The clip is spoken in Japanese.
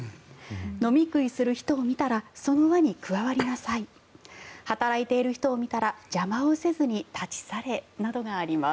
飲み食いする人を見たらその輪に加わりなさい働いている人を見たら邪魔をせずに立ち去れなどがあります。